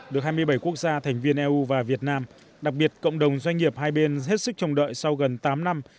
được hai mươi bảy quốc gia thành viên eu và việt nam đặc biệt cộng đồng doanh nghiệp hai bên hết sức chồng đợi sau gần tám năm